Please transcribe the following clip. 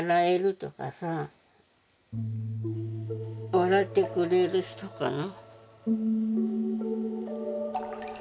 笑ってくれる人かな。